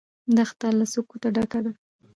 دښته له سکوته ډکه ده.